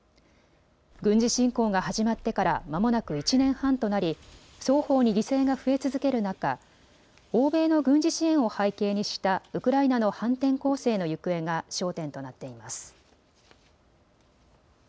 軍事侵攻が始まってからまもなく１年半となり双方に犠牲が増え続ける中、欧米の軍事支援を背景にしたウクライナの反転攻勢の行方が焦点となっています。